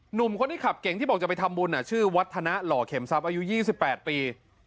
หนุ่มคนที่ขับเก่งที่บอกจะไปทำบุญชื่อวัฒนะหล่อเข็มทรัพย์อายุ๒๘ปี